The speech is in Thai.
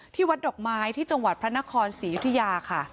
ที่วัดดอกไม้ที่จังหวัดพ์พระนครศียุธิยา